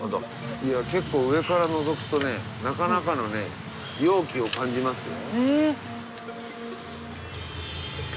結構上からのぞくとねなかなかのね妖気を感じますよ。